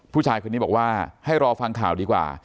ผู้ชายคนนี้บอกว่าให้รอฟังข่าวดีกว่า